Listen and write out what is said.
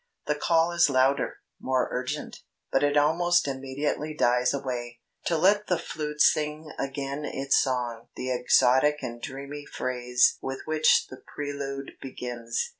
The call is louder, more urgent, but it almost immediately dies away, to let the flute sing again its song [the exotic and dreamy phrase with which the prelude begins].